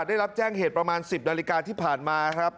ได้รับแจ้งเหตุประมาณ๑๐นาฬิกาที่ผ่านมาครับ